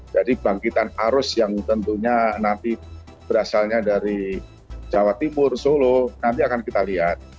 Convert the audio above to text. jadi bangkitan arus yang tentunya nanti berasalnya dari jawa timur solo nanti akan kita lihat